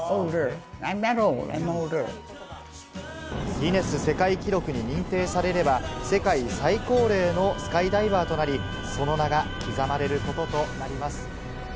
ギネス世界記録に認定されれば、世界最高齢のスカイダイバーとなり、その名が刻まれることとなります。